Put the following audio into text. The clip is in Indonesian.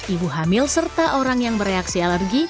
ibu hamil serta orang yang bereaksi alergi